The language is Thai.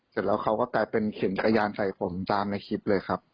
เสร็จแล้วเขาก็กลายเป็นเข็นกระยานใส่ผมตามในคลิปเลยครับ